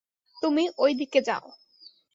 তুমি, ওইদিকে যাও।